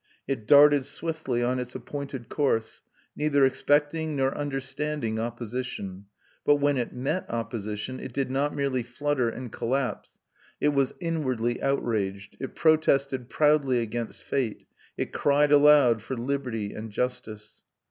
It darted swiftly on its appointed course, neither expecting nor understanding opposition; but when it met opposition it did not merely flutter and collapse; it was inwardly outraged, it protested proudly against fate, it cried aloud for liberty and justice.